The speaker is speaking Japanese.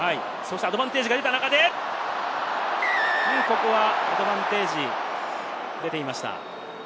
アドバンテージが出た中で、ここはアドバンテージが出ていました。